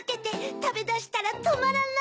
たべだしたらとまらない！